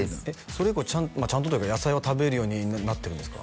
それ以降ちゃんとちゃんとというか野菜は食べるようになってるんですか？